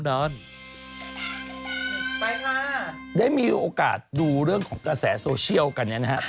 ได้มีโอกาสดูเรื่องของกระแสโซเชียและกันนี้นะครับ